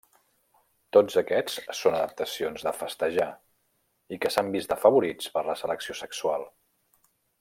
Tots aquests són adaptacions de festejar, i que s'han vist afavorits per la selecció sexual.